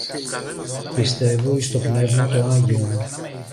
Πιστεύω εις το Πνευμα το `Αγιον